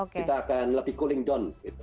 kita akan lebih cooling down